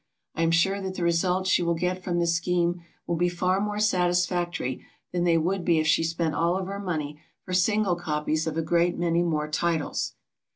I am sure that the results she will get from this scheme will be far more satisfactory than they would be if she spent all of her money for single copies of a great many more titles.